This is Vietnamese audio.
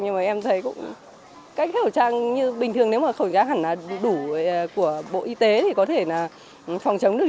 nhưng mà em thấy cũng các khẩu trang như bình thường nếu mà khẩu trang hẳn là đủ của bộ y tế thì có thể là phòng chống được